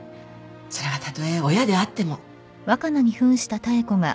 それがたとえ親であっても。